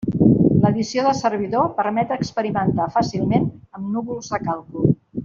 L'edició de servidor permet experimentar fàcilment amb núvols de càlcul.